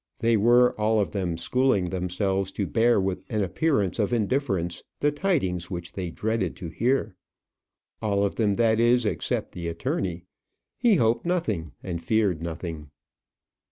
They were all of them schooling themselves to bear with an appearance of indifference the tidings which they dreaded to hear. All of them, that is, except the attorney. He hoped nothing, and feared nothing.